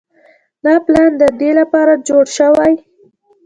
دا پلان د دې لپاره جوړ شوی